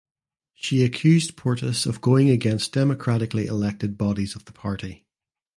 She accused Portas of going against democratically elected bodies of the party.